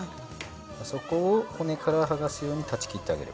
そこを骨からはがすように断ち切ってあげる。